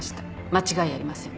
間違いありません。